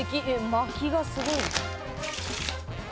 まきがすごい。